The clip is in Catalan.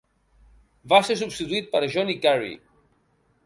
Va ser substituït per Johnny Carey.